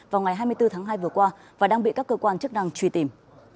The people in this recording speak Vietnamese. vào ngày hai mươi bốn tháng hai vừa qua và đang bị các cơ quan chức năng truy tìm